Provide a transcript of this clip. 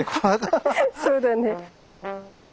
そうだね。